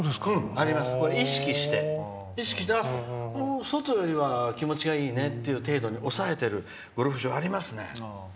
意識して、外よりは気持ちがいいねっていう程度に抑えてる、ゴルフ場ありますね。